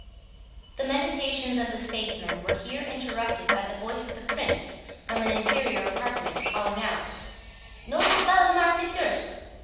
The meditations of the statesman were here interrupted by the voice of the Prince from an interior apartment, calling out, "Noble Waldemar Fitzurse!"